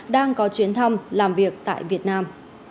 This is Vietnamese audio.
đang có chuyến thăm làm việc tại việt nam